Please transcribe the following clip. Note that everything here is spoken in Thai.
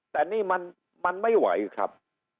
แต่นี่มันไม่ไหวครับ